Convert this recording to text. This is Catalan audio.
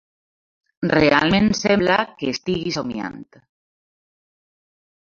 Realment sembla que estigui somiant.